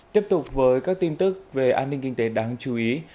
tiếp tục với các tin tức về an ninh kinh tế đáng chú ý